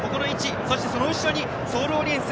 その後ろにソールオリエンス。